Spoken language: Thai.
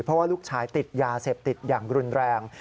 เพราะว่าลูกชายติดยาเสพติดอย่างรุนแรง